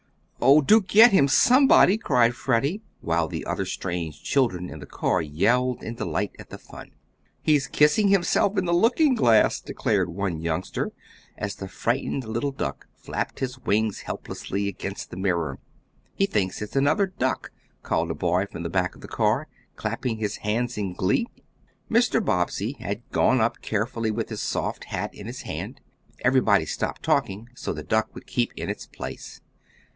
"Oh, do get him, somebody!" cried Freddie, while the other strange children in the car yelled in delight at the fun. "He's kissing himself in the looking glass," declared one youngster, as the frightened little duck flapped his wings helplessly against the mirror. "He thinks it's another duck," called a boy from the back of the car, clapping his hands in glee. Mr. Bobbsey had gone up carefully with his soft hat in his hand. Everybody stopped talking, so the duck would keep in its place.